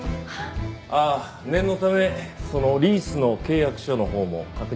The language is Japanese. ああ念のためそのリースの契約書のほうも確認させてください。